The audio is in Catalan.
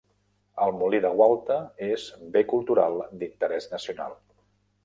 El molí de Gualta és bé cultural d'interès nacional.